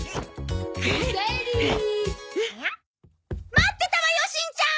待ってたわよしんちゃん！